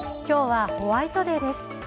今日はホワイトデーです。